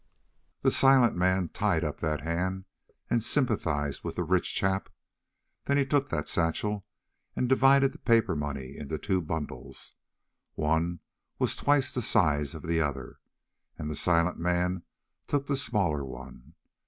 "The silent man tied up that hand and sympathized with the rich chap; then he took that satchel and divided the paper money into two bundles. One was twice the size of the other, and the silent man took the smaller one.